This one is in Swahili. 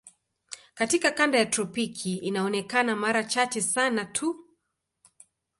Katika kanda ya tropiki inaonekana mara chache sana tu.